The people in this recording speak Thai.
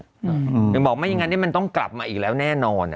อย่างนั้นมันต้องกลับมาอีกแล้วแน่นอน